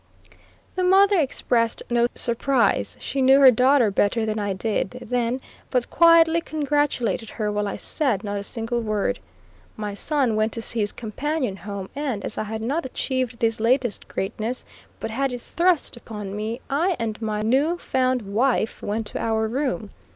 The mother expressed no surprise she knew her daughter better than I did, then but quietly congratulated her, while I said not a single word. My son went to see his companion home, and, as I had not achieved this latest greatness, but had it thrust upon me, I and my new found "wife" went to our room.